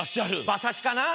ばさしかな？